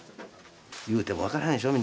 いうても分からないでしょ？